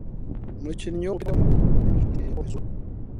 umukinnyi w’umupira w’amaguru w’umunya Argentine yabonye izuba